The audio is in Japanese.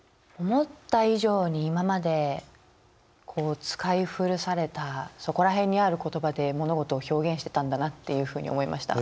思った以上に今まで使い古されたそこら辺にある言葉で物事を表現してたんだなっていうふうに思いました。